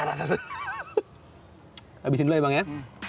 habisin dulu ya bang ya